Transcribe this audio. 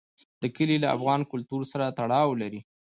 دا کلي له افغان کلتور سره تړاو لري.